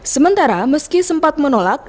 sementara meski sempat menolak